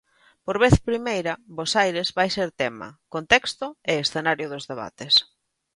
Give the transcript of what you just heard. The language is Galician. Por vez primeira, Bos Aires vai ser tema, contexto e escenario dos debates.